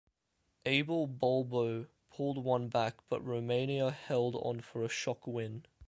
Abel Balbo pulled one back, but Romania held on for a shock win.